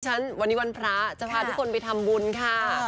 ฉะวันนี้วันพระจะพาทุกคนไปทำบุญค่ะ